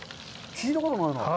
聞いたことないな。